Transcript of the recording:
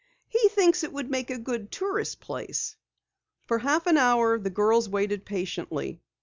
"He thinks it would make a good tourist place!" For half an hour the girls waited patiently.